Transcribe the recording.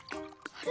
あれ？